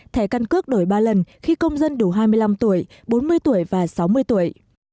thẻ căn cước đổi ba lần khi công dân đủ hai mươi năm tuổi bốn mươi tuổi và sáu mươi tuổi